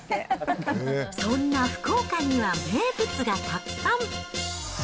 そんな福岡には名物がたくさん。